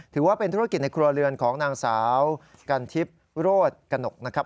ถือว่าเป็นธุรกิจในครัวเรือนของนางสาวกันทิพย์โรธกระหนกนะครับ